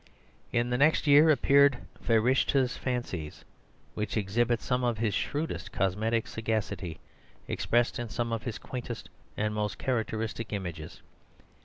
In the next year appeared Ferishtah's Fancies, which exhibit some of his shrewdest cosmic sagacity, expressed in some of his quaintest and most characteristic images.